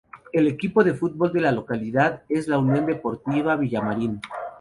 El equipo de fútbol de la localidad es la Unión Deportiva Villamartín.